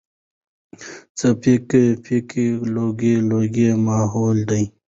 څه پيکه پيکه لوګی لوګی ماحول دی